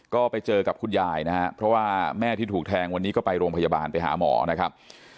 ก็ไปเจอกับคุณยายนะครับเพราะว่าแม่ที่ถูกแทงวันนี้ก็ไปโรงพยาบาลไปหาหมอนะครับ